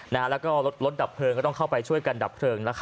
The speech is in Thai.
แล้วก็รถดับเพลิงก็ต้องเข้าไปช่วยกันดับเพลิง